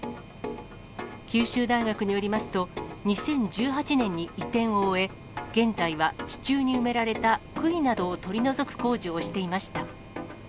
九州大学によりますと、２０１８年に移転を終え、現在は地中に埋められたくいなどを取り除く工事をしていました。